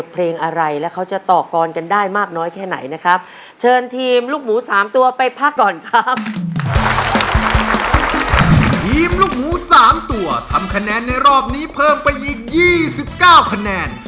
ลูกน้อย๓ตัวทำคะแนนในรอบนี้เพิ่มไปอีก๒๙คะแนน